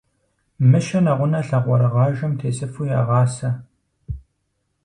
Мыщэ нэгъунэ лъакъуэрыгъажэм тесыфу ягъасэ.